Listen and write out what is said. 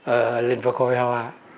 ở lĩnh vực hội hoa